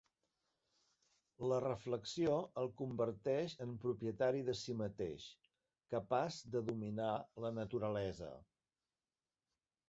La reflexió el converteix en propietari de si mateix, capaç de dominar la naturalesa.